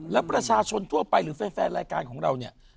แล้วประชาชนทั่วไปหรือแฟนรายการของเราเนี่ย